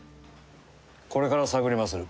これから探りまする。